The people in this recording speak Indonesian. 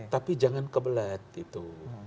tapi jangan kebelet itu